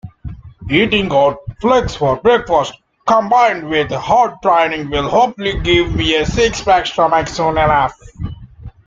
Eating oat flakes for breakfast combined with hard training will hopefully give me a six-pack stomach soon enough.